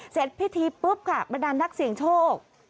เสร็จพิธีปุ๊บค่ะบรรดานนักเสี่ยงโชค